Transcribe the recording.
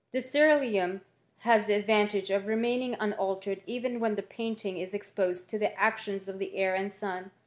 This ceeruleum has the advantage of remaining unaltered even when the painting is exposed to the actions of the air and sun.